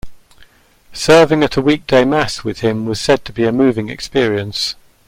Serving at a weekday mass with him was said to be a moving experience.